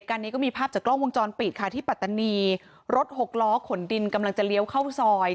การนี้ก็มีภาพจากกล้องวงจรปิดค่ะที่ปัตตานีรถหกล้อขนดินกำลังจะเลี้ยวเข้าซอย